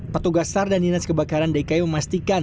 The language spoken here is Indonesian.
petugas sardekai jakarta dan dinas kebakaran dki memastikan